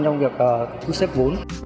trong việc cứu xếp vốn